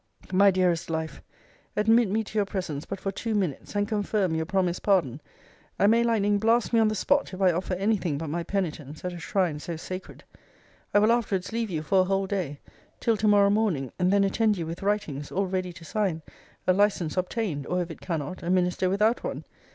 My dearest life! admit me to your presence but for two minutes, and confirm your promised pardon; and may lightning blast me on the spot, if I offer any thing but my penitence, at a shrine so sacred! I will afterwards leave you for a whole day; till to morrow morning; and then attend you with writings, all ready to sign, a license obtained, or if it cannot, a minister without one.